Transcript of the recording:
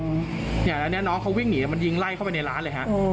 เนี่ยอันนี้น้องเค้าวิ่งหนีแล้วมันยิงไล่เข้าไปในร้านเลยค่ะ